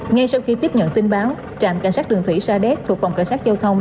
ngay sau khi tiếp nhận tin báo trạm cảnh sát đường thủy sa đéc thuộc phòng cảnh sát giao thông